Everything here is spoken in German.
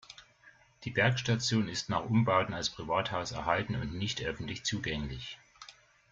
Die Bergstation ist nach Umbauten als Privathaus erhalten und nicht öffentlich zugänglich.